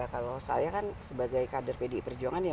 kalau saya kan sebagai kader pdi perjuangan ya